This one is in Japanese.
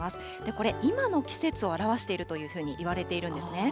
これ、今の季節を表しているというふうにいわれているんですね。